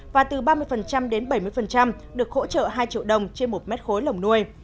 và từ ba mươi đến bảy mươi được hỗ trợ hai triệu đồng trên một mét khối lồng nuôi